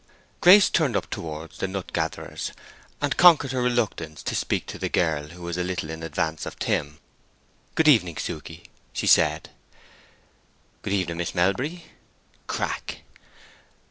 Grace turned up towards the nut gatherers, and conquered her reluctance to speak to the girl who was a little in advance of Tim. "Good evening, Susan," she said. "Good evening, Miss Melbury" (crack).